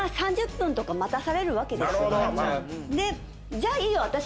じゃあいいよ！